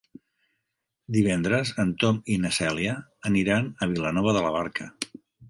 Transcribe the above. Divendres en Tom i na Cèlia aniran a Vilanova de la Barca.